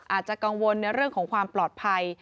อาจจะกังวลในเรื่องของความปลอดภัย